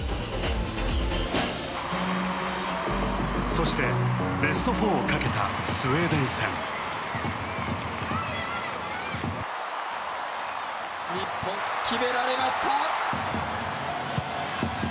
そしてベスト４をかけたスウェーデン戦。日本決められました。